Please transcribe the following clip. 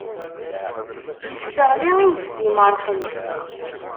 Yesseɣli i ufzim ṛṛqem.